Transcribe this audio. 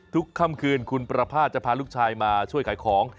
ค่ำคืนคุณประพาทจะพาลูกชายมาช่วยขายของ